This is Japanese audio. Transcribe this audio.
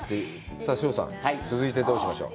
さあ翔さん、続いてどうしましょう？